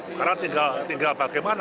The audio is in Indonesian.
sekarang tinggal bagaimana